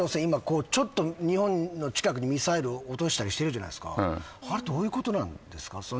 今ちょっと日本の近くにミサイル落としたりしてるじゃないですかあれどういうことなんですか？